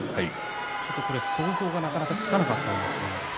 ちょっと想像はなかなかつかなかったんですが。